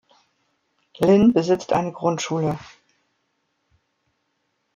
Linn besitzt eine Grundschule.